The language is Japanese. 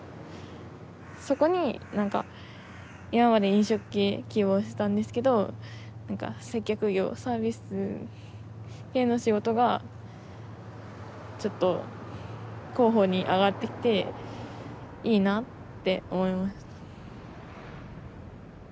そこになんか今まで飲食系希望してたんですけどなんか接客業サービス系の仕事がちょっと候補に上がってきていいなって思いました。